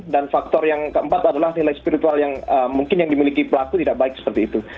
faktor yang keempat adalah nilai spiritual yang mungkin yang dimiliki pelaku tidak baik seperti itu